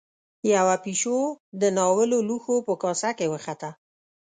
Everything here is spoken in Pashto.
يوه پيشو د ناولو لوښو په کاسه کې وخته.